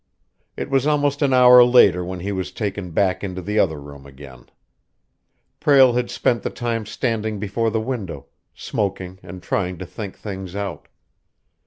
It was almost an hour later when he was taken back into the other room again. Prale had spent the time standing before the window, smoking and trying to think things out.